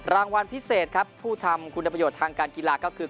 รางวัลพิเศษครับผู้ทำคุณประโยชน์ทางการกีฬาก็คือ